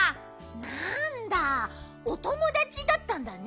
なんだおともだちだったんだね。